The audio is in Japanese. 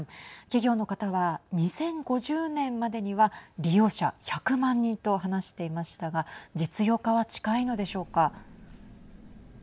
企業の方は２０５０年までには利用者１００万人と話していましたが実用化は近いのでしょうか。